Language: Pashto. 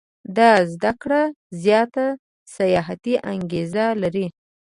دا زده کړه زیاته سیاحتي انګېزه لري.